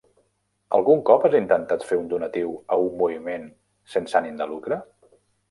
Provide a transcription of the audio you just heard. Algun cop has intentat fer un donatiu a un moviment sense ànim de lucre?